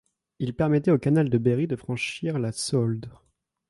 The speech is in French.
Il permettait au Canal de Berry de franchir la Sauldre.